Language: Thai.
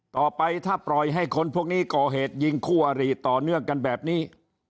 ต่อไปถ้าปล่อยให้คนพวกนี้ก่อเหตุยิงคู่อริต่อเนื่องกันแบบนี้